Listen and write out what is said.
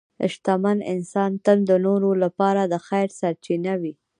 شتمن انسان تل د نورو لپاره د خیر سرچینه وي.